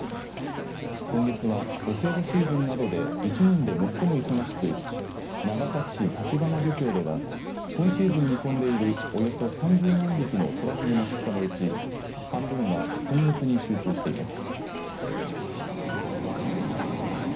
今月は、お歳暮シーズンなどで１年で最も忙しく長崎市たちばな漁協では今シーズン見込んでいるおよそ３０万匹のとらふぐの出荷のうち半分は今月に集中しています。